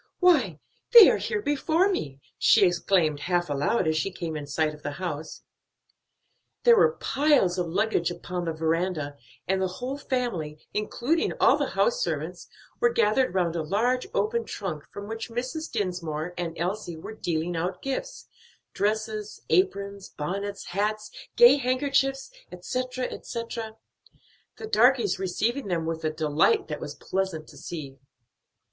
"Why, they are here before me!" she exclaimed half aloud as she came in sight of the house. There were piles of luggage upon the veranda, and the whole family, including all the house servants, were gathered round a large open trunk from which Mrs. Dinsmore and Elsie were dealing out gifts dresses, aprons, bonnets, hats, gay handkerchiefs, etc., etc.; the darkies receiving them with a delight that was pleasant to see.